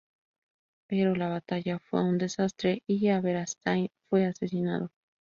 Pero la batalla fue un desastre, y Aberastain fue asesinado.